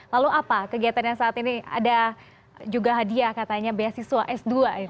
lalu apa kegiatan yang saat ini ada juga hadiah katanya beasiswa s dua